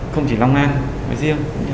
không chỉ long an mà riêng